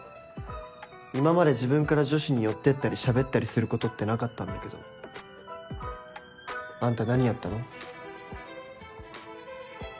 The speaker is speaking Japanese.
今まで自分から女子に寄ってったりしゃべったりすることってなかったんだけどあんた何やったの？